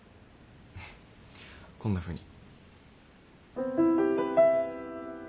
こんなふうに。